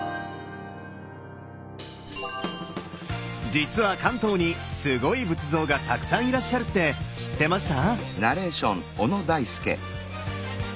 実は関東にすごい仏像がたくさんいらっしゃるって知ってました？